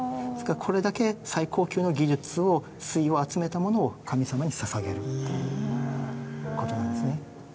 これだけ最高級の技術を粋を集めたものを神様にささげるということなんですね。